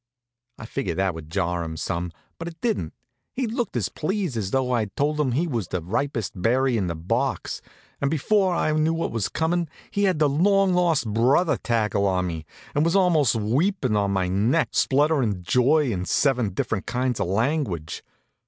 I figured that would jar him some, but it didn't. He looked as pleased as though I'd told him he was the ripest berry in the box, and before I knew what was comin' he had the long lost brother tackle on me, and was almost weepin' on my neck, splutterin' joy in seven different kinds of language.